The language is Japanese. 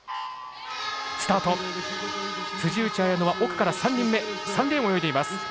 辻内彩野は奥から３人目３レーンを泳いでいます。